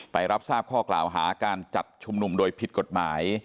รับทราบข้อกล่าวหาการจัดชุมนุมโดยผิดกฎหมาย